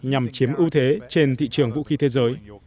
nhằm chiếm ưu thế trên thị trường vũ khí thế giới